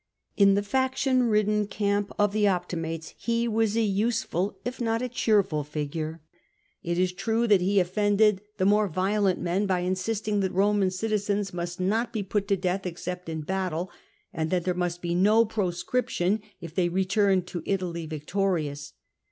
In the faction ridden camp of the Optimates he was a useful if not a cheerful figure. It is true that he offended fche more violent men by insisting that Roman citizens must not be put to death except in battle, and that there must be no proscription if they returned to Italy victorious.